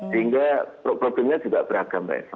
sehingga problemnya juga beragam mbak eva